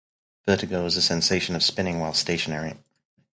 Vertigo is a sensation of spinning while stationary.